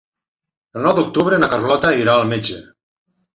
El nou d'octubre na Carlota irà al metge.